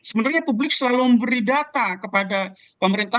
sebenarnya publik selalu memberi data kepada pemerintah